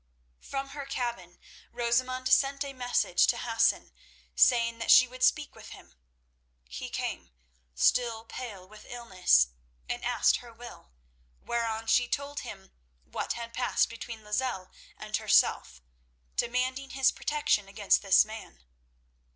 From her cabin Rosamund sent a message to Hassan, saying that she would speak with him. He came, still pale with illness, and asked her will, whereon she told him what had passed between Lozelle and herself, demanding his protection against this man.